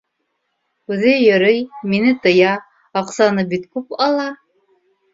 Үҙе йөрөй, мине тыя, аҡсаны бит күп ала.